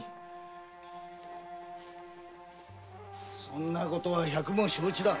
そんな事は百も承知だ。